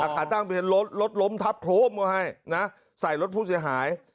ขาตั้งเป็นรถรถล้มทับโครมก็ให้นะใส่รถผู้เสียหาย